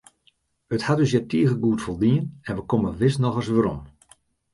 It hat ús hjir tige goed foldien en wy komme wis noch ris werom.